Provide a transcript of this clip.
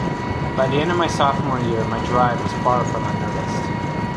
By the end of my sophomore year my drive was far from unnoticed.